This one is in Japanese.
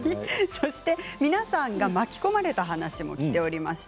皆さんが巻き込まれた話もきています。